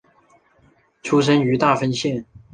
出身于大分县。